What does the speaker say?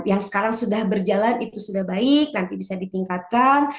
yang sekarang sudah berjalan itu sudah baik nanti bisa ditingkatkan